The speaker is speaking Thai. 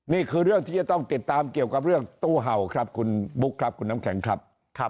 นี่คือเรื่องที่จะต้องติดตามเกี่ยวกับเรื่องตู้เห่าครับคุณบุ๊คครับคุณน้ำแข็งครับ